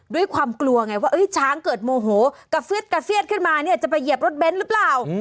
ด้วยความกลัวไงว่าช้างเกิดโมโหกระฟืดกระเฟียดขึ้นมาเนี่ยจะไปเหยียบรถเบนท์หรือเปล่า